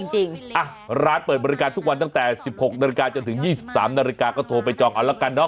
จริงอ่ะร้านเปิดบริการทุกวันตั้งแต่๑๖นจนถึง๒๓นก็โทรไปจองออกแล้วกันเนอะ